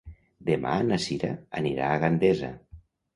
Demà na Sira anirà a Gandesa.